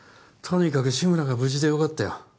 とにかく志村が無事でよかったよ